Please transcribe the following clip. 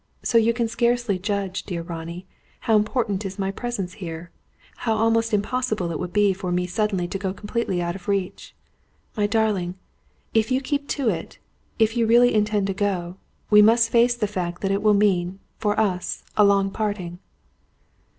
So you can scarcely judge, dear Ronnie, how important is my presence here; how almost impossible it would be for me suddenly to go completely out of reach. My darling if you keep to it, if you really intend to go, we must face the fact that it will mean, for us, a long parting."